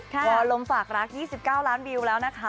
วอลงฝากรัก๒๙ล้านวิวแล้วนะคะ